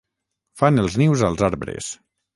Fan els nius als arbres.